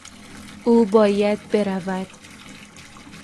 او باید برود.